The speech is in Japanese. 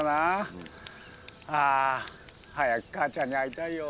ああ早く母ちゃんに会いたいよ。